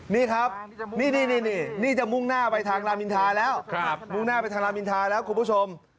นี่ครับนี่จะมุ่งหน้าไปทางรามอินทาแล้วมุ่งหน้าไปทางรามอินทาแล้วคุณผู้ชม